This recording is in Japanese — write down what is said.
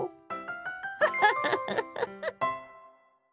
フフフフフ。